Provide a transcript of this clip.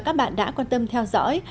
và các bạn đã quan tâm theo dõi